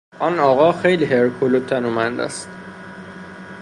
آن آقا خیلی هرکول و تنومند است.